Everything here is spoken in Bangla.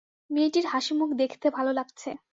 মেয়েটির হাসিমুখ দেখতে ভালো লাগছে।